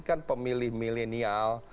kan pemilih milenial